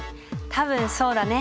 多分そうだね。